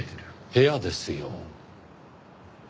部屋ですよ。